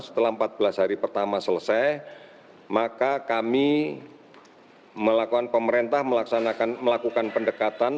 setelah empat belas hari pertama selesai maka kami melakukan pemerintah melakukan pendekatan